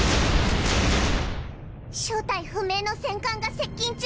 正体不明の戦艦が接近中！